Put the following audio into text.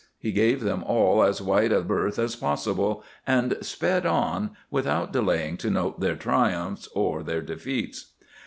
He gave them all as wide a berth as possible, and sped on, without delaying to note their triumphs or their defeats.